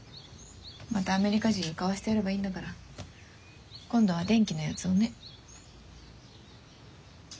またアメリカ人に買わせてやればいいんだから。今度は電気のやつをね。